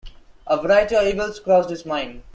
A variety of evils crossed his mind.